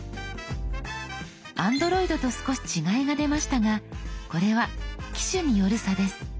Ａｎｄｒｏｉｄと少し違いが出ましたがこれは機種による差です。